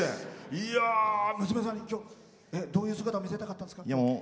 娘さんに、今日どういう姿を見せたかったんですか？